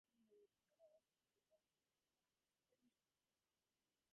Republican President William McKinley upheld the treaty and was easily reelected.